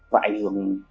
và ảnh hưởng